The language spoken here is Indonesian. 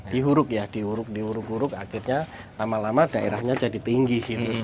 di huruk ya diuruk huruk akhirnya lama lama daerahnya jadi tinggi